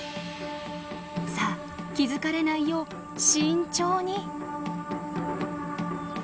さあ気付かれないよう慎重に。